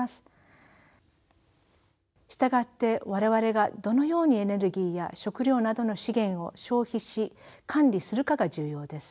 従って我々がどのようにエネルギーや食料などの資源を消費し管理するかが重要です。